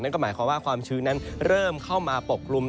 ก็หมายความว่าความชื้นนั้นเริ่มเข้ามาปกกลุ่ม